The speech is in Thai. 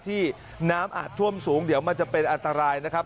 ที่น้ำอาจท่วมสูงเดี๋ยวมันจะเป็นอันตรายนะครับ